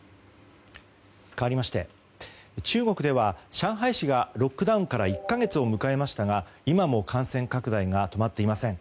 かわりまして中国では上海市がロックダウンから１か月を迎えましたが今も感染拡大が止まっていません。